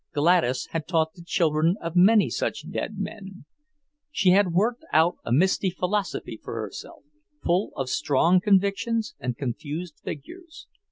Gladys had taught the children of many such dead men. She had worked out a misty philosophy for herself, full of strong convictions and confused figures.